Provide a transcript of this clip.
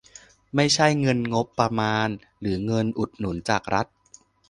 ไม่ใช่เงินงบประมาณหรือเงินอุดหนุนจากรัฐ